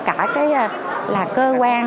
cả cái là cơ